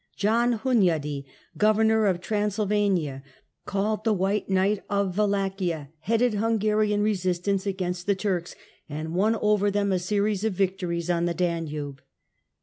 John John Hunyadi, Governor of Transylvania, called the Hunyadi ^j^i^g Knight of Wallachia, headed Hungarian resist ance against the Turks and won over them a series of victories on the Danube.